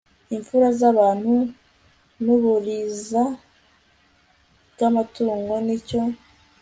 imfura z abantu n uburiza bw amatungo Ni cyo